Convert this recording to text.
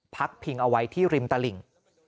พักพิงเอาไว้ที่ริมตลิ่ง